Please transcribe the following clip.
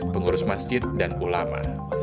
pengurus masjid dan ulama